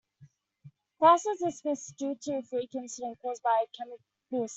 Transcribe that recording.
Class was dismissed due to a freak incident caused by a chemical spill.